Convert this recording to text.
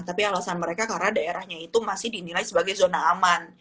tapi alasan mereka karena daerahnya itu masih dinilai sebagai zona aman